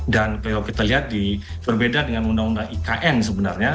kalau kita lihat berbeda dengan undang undang ikn sebenarnya